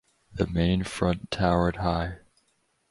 The main front towered high.